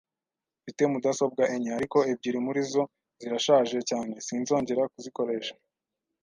Mfite mudasobwa enye, ariko ebyiri muri zo zirashaje cyane sinzongera kuzikoresha.